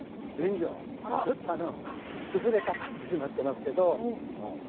ちょっと崩れかかってしまってますけど。